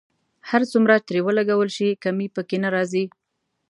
هر څومره ترې ولګول شي کمی په کې نه راځي.